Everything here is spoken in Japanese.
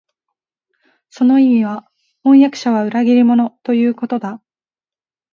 その意味は、飜訳者は裏切り者、ということだ